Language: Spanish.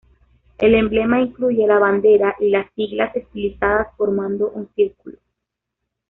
El emblema incluye la bandera y las siglas estilizadas formando un círculo.